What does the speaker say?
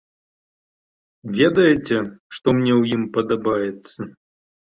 Ведаеце, што мне ў ім падабаецца?